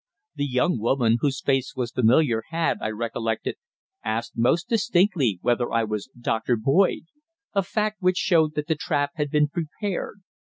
The young woman, whose face was familiar, had, I recollected, asked most distinctly whether I was Doctor Boyd a fact which showed that the trap had been prepared.